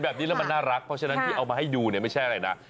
แบบนี้แล้วมันน่ารักเพราะฉะนั้นที่เอามาให้ดูเนี่ยไม่ใช่อะไรนะ